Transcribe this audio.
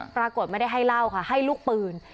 ปรากฏไม่ได้ให้เหล้าค่ะให้ลูกปืน